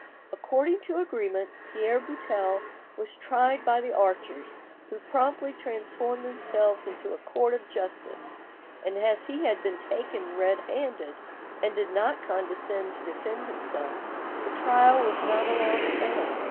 According to agreement, Pierre Buttel was tried by the archers, who promptly transformed themselves into a court of justice, and as he had been taken red handed, and did not condescend to defend himself, the trial was not a long affair.